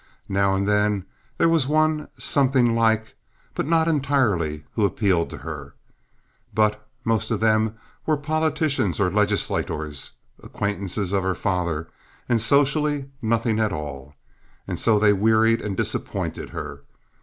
Now and then there was one "something like," but not entirely, who appealed to her, but most of them were politicians or legislators, acquaintances of her father, and socially nothing at all—and so they wearied and disappointed her.